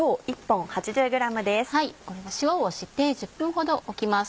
これも塩をして１０分ほど置きます。